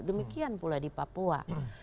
demikian pula di papua